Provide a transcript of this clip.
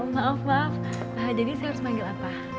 maaf maaf jadi saya harus manggil apa